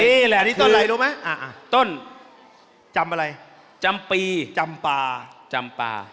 นี่แหละนี่ต้นอะไรรู้ไหมอ่ะต้นจำอะไรจำปีจำปลาจำปลา